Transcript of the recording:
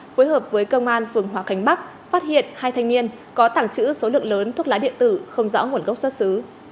phối hợp với công an phường hòa khánh bắc phát hiện hai thanh niên có tảng chữ số lượng lớn thuốc lá điện tử không rõ nguồn gốc xuất xứ